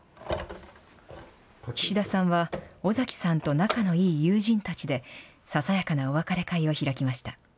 岸田さんは、尾崎さんと仲のいい友人たちで、ささやかなお別れ会を開きました。